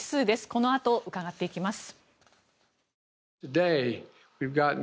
このあと伺っていきます。